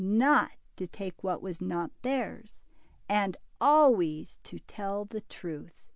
Not to take what was not theirs. And always to tell the truth.